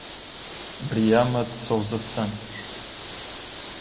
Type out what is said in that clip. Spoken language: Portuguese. Bryama de Souza Santos